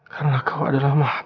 karena kau adalah maha penyembuh